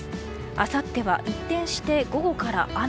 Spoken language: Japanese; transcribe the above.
あさっては一転して午後から雨。